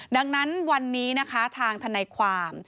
ดังนั้นวันนี้นะคะทางทนายความ